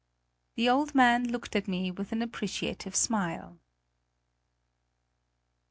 The old man looked at me with an appreciative smile.